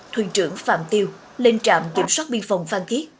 thuyền trưởng phạm tiêu lên trạm kiểm soát biên phòng phan thiết